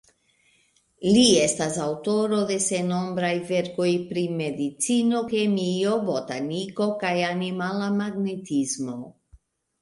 Li estas aŭtoro de sennombraj verkoj pri Medicino, Kemio, Botaniko kaj Animala Magnetismo.